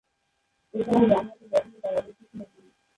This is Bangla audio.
এছাড়াও, বামহাতে ব্যাটিংয়ে পারদর্শী ছিলেন তিনি।